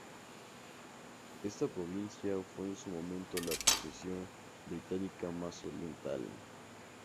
Esta provincia fue en su momento la posesión británica más oriental.